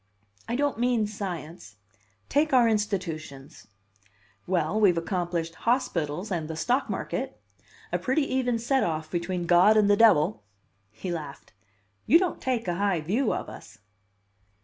"I don't mean science. Take our institutions." "Well, we've accomplished hospitals and the stock market a pretty even set off between God and the devil." He laughed. "You don't take a high view of us!"